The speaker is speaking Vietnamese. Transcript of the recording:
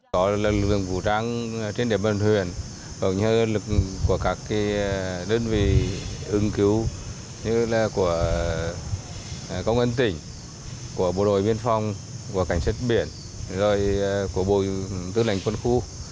các cộng đồng quân của tỉnh bộ đội biên phòng cảnh sát biển tư lĩnh quân khu